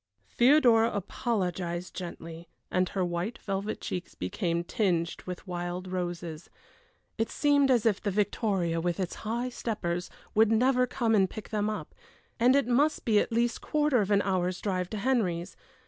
Theodora apologized gently, and her white velvet cheeks became tinged with wild roses. It seemed as if the victoria, with its high steppers, would never come and pick them up; and it must be at least quarter of an hour's drive to Henry's.